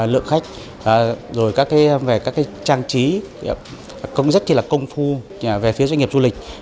lượng khách trang trí rất là công phu về phía doanh nghiệp du lịch